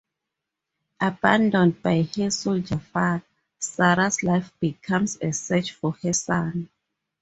Abandoned by her soldier father, Sarah's life becomes a search for her son.